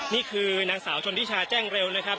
นี่คือนางสาวชนทิชาแจ้งเร็วนะครับ